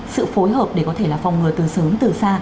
sự phối hợp để có thể là phòng ngừa từ sớm từ xa